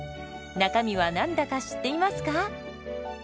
中身は何だか知っていますか？